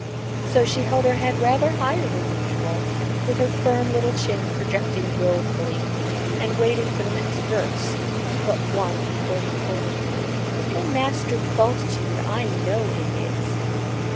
So she held her head rather higher than usual, with her firm little chin projecting wilfully, and waited for the next verse but one before retorting, "Little Master Bultitude, I know it is."